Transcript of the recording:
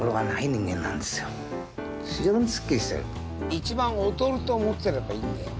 一番劣ると思っていればいいんだよ。